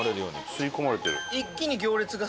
吸い込まれてる。